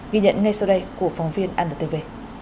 ghi nhận ngay sau đây của phóng viên anntv